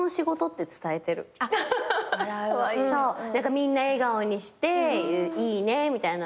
みんな笑顔にしていいねみたいなのとか。